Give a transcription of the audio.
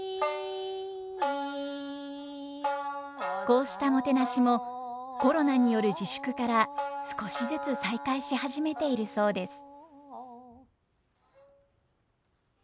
こうしたもてなしもコロナによる自粛から少しずつ再開し始めているそうです。